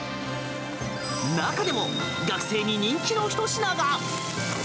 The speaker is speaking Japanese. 中でも学生に人気のひと品が。